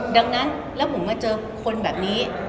ดังนั้นแล้วผมมาเจอคนแบบนี้